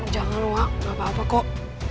jangan wak gak apa apa kok